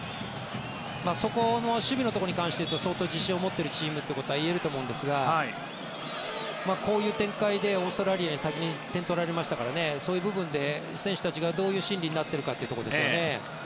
守備のところに関していうと相当自信を持っているチームということはいえると思うんですがこういう展開でオーストラリアに先に点を取られましたからそういう部分で選手たちがどういう心理になっているかというところですね。